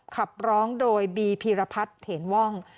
ขับร้องโดยบีพีรพัฒน์เถนว่อง